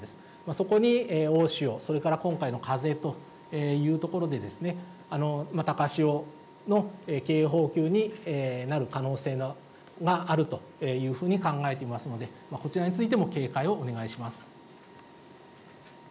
そこに大潮、それから今回の風というところでですね、また高潮の警報級になる可能性があるというふうに考えていますので、こちらについても警戒をお願いします。